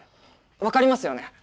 分かりますよね？